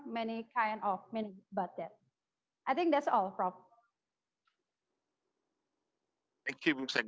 masuk ke website itu